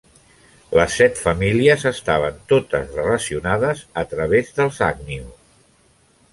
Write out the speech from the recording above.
Les set famílies estaven totes relacionades a través dels Agnew.